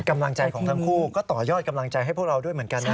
กำลังใจของทั้งคู่ก็ต่อยอดกำลังใจให้พวกเราด้วยเหมือนกันนะ